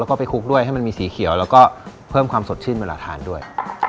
แล้วก็ไปคลุกด้วยให้มันมีสีเขียวแล้วก็เพิ่มความสดชื่นเวลาทานด้วย